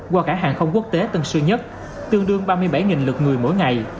qua cảng hàng không quốc tế tần sớm nhất tương đương ba mươi bảy lượt người mỗi ngày